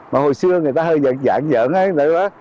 mà hồi xưa người ta hơi giảng dẫn